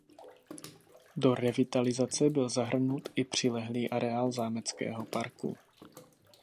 Do revitalizace byl zahrnut i přilehlý areál zámeckého parku.